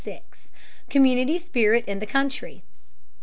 COMMUNITY SPIRIT IN THE COUNTRY.